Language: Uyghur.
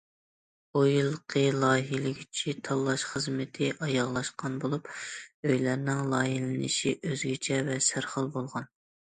بۇ يىلقى لايىھەلىگۈچى تاللاش خىزمىتى ئاياغلاشقان بولۇپ، ئۆيلەرنىڭ لايىھەلىنىشى ئۆزگىچە ۋە سەرخىل بولغان.